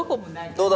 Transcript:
どうだ？